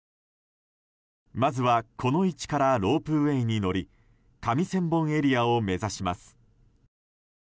まずは、この位置からロープウェーに乗り上千本エリアを目指します。